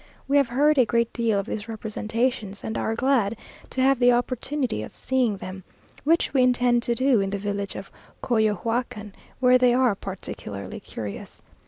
We have heard a great deal of these representations, and are glad to have the opportunity of seeing them, which we intend to do in the village of Coyohuacan, where they are particularly curious.